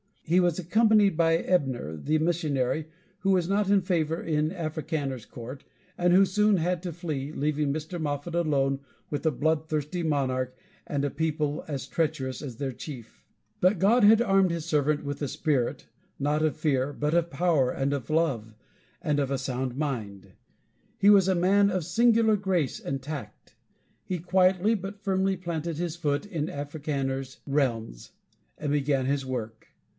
He was accompanied by Ebner, the missionary, who was not in favor in Africaner's court, and who soon had to flee, leaving Mr. Moffat alone with a bloodthirsty monarch and a people as treacherous as their chief. But God had armed his servant with the spirit, not of fear, but of power, and of love, and of a sound mind. He was a man of singular grace and tact. He quietly but firmly planted his foot in Africaner's realms, and began his work.